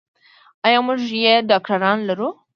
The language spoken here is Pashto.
ایا موږ یې ډاکتران لرو.